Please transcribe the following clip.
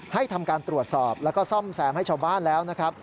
ให้ทำการตรวจสอบแล้วก็ซ่อมแซมให้ชาวบ้านแล้วนะครับ